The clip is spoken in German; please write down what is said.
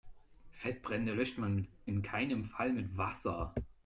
Fettbrände löscht man in keinem Fall mit Wasser.